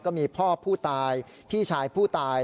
ก็มีพ่อผู้ตายพี่ชายผู้ตาย